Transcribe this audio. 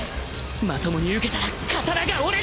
まともに受けたら刀が折れる！